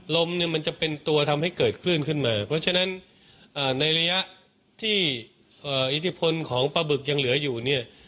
ลมเนี่ยมันจะเป็นตัวทำให้เกิดคลื่นขึ้นมาเพราะฉะนั้นในระยะที่อิทธิพลของปลาบึกยังเหลืออยู่เนี่ย